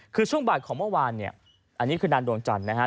คือช่วงบ่ายของเมื่อวานเนี่ยอันนี้คือนางดวงจันทร์นะฮะ